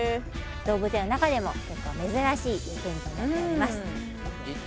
動物園の中でも結構珍しい展示になっております